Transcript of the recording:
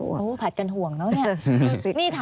อันดับ๖๓๕จัดใช้วิจิตร